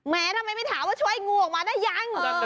ทำไมไม่ถามว่าช่วยงูออกมาได้ยัง